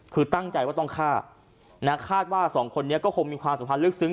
คือตั้งใจว่าต้องฆ่านะคาดว่าสองคนนี้ก็คงมีความสัมพันธ์ลึกซึ้ง